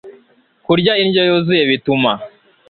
kurya indyo yuzuye bituma